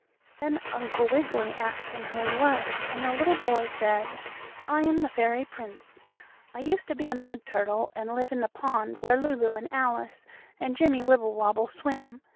Then Uncle Wiggily asked him who he was, and the little boy said: "I am the fairy prince! I used to be a mud turtle, and live in the pond where Lulu and Alice and Jimmie Wibblewobble swim.